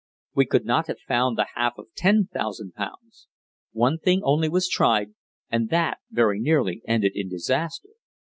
We could not have found the half of ten thousand pounds. One thing only was tried, and that very nearly ended in disaster.